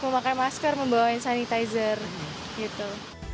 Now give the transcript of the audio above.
memakai masker membawain sanitizer gitu